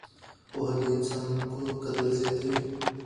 پوهه د انسان قدر زیاتوي.